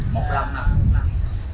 một lần nằm một lần nằm